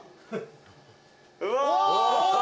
うわ！